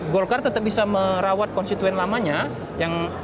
golkar tetap bisa merawat konstituen lamanya yang selama ini sudah